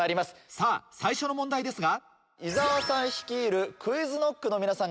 さぁ最初の問題ですが。